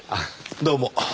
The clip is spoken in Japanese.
どうも。